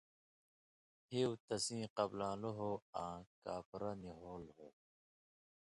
ہِیُو تسیں قبلان٘لو ہو آں کاپھُر نی ہول ہو۔